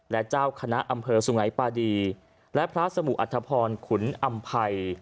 และเจ้าคณะอำเภอสุงัยปาดีและพระสมุอัธพรขุนอำภัย